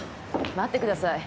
待ってください。